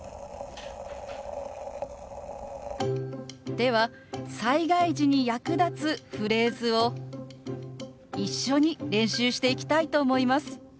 では災害時に役立つフレーズを一緒に練習していきたいと思います。